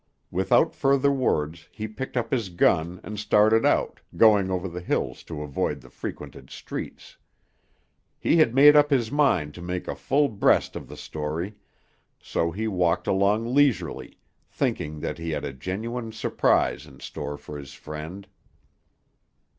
Without further words, he picked up his gun, and started out, going over the hills to avoid the frequented streets. He had made up his mind to make a full breast of the story, so he walked along leisurely, thinking that he had a genuine surprise in store for his friend.